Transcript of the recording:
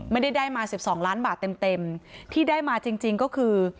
ไม่ได้ได้มา๑๒ล้านบาทเต็มเต็มที่ได้มาจริงจริงก็คือ